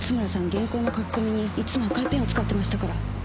原稿の書き込みにいつも赤いペンを使ってましたから。